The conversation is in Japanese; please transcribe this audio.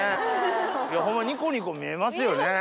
ホンマニコニコ見えますよね。